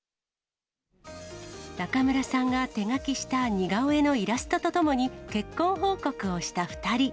中村さんが手描きした似顔絵のイラストとともに、結婚報告をした２人。